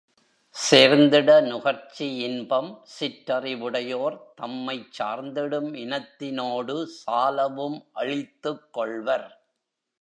சேர்ந்திட நுகர்ச்சி இன்பம், சிற்றறி வுடையோர், தம்மைச் சார்ந்திடும் இனத்தி னோடு சாலவும் அழித்துக் கொள்வர்.